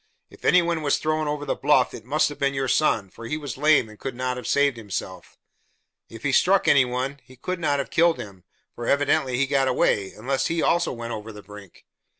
If any one was thrown over the bluff, it must have been your son, for he was lame and could not have saved himself. If he struck any one, he could not have killed him; for evidently he got away, unless he also went over the brink.